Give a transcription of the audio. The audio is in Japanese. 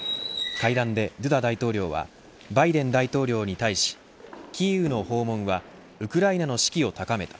会談でドゥダ大統領はバイデン大統領に対しキーウの訪問はウクライナの士気を高めた。